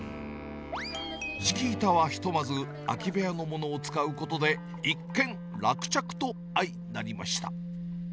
敷き板はひとまず、空き部屋のものを使うことで一件落着と相なりました。